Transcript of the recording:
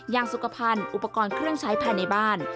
อย่างสุขภัณฑ์อุปกรณ์เครื่องใช้ภายในบ้าน